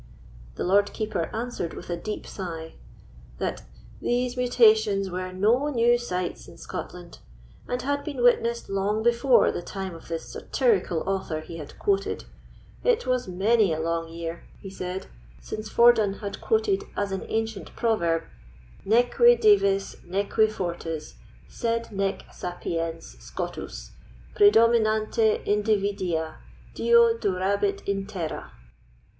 The Lord Keeper answered with a deep sigh, "That these mutations were no new sights in Scotland, and had been witnessed long before the time of the satirical author he had quoted. It was many a long year," he said, "since Fordun had quoted as an ancient proverb, 'Neque dives, neque fortis, sed nec sapiens Scotus, prædominante invidia, diu durabit in terra.